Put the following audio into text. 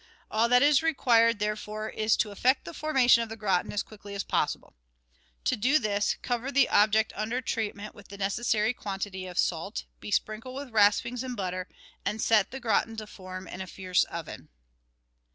All that is required, there fore, is to effect the formation of the gratin as quickly as possible. To do this, cover the object under treatment with the neces sary quantity of salt, besprinkle with raspings and butter, and set the gratin to form in a fierce oven.